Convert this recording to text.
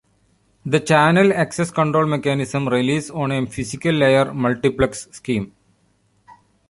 The channel access control mechanism relies on a physical layer multiplex scheme.